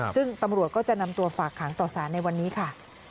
ซึ่งตำรวจก็จะนำตัวฝากขังต่อสารในวันนี้ค่ะ